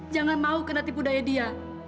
jangan mau kena tipu daya dia